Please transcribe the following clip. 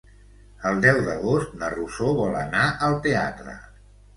El deu d'agost na Rosó vol anar al teatre.